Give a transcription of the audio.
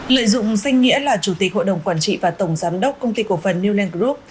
lợi dụng sinh nghĩa là chủ tịch hội đồng quản trị và tổng giám đốc công ty cổ phần newland group